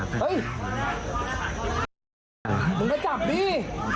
เฮ้ยมึงก็จับดี